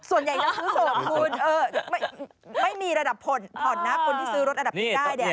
ส่วนใหญ่จะซื้อสดคุณไม่มีระดับผ่อนนะคนที่ซื้อรถระดับปีได้